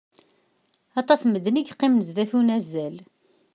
Aṭas n medden i yeqqimen zzat unazal.